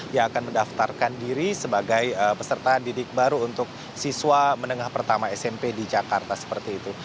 yang akan mendaftarkan diri sebagai peserta didik baru untuk siswa menengah pertama smp di jakarta seperti itu